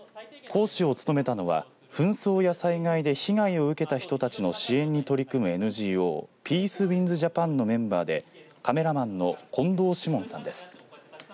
講師を務めたのは紛争や災害で被害を受けた人たちの支援に取り組むＮＧＯピースウィンズ・ジャパンのメンバーで、カメラマンの近藤史門さんです。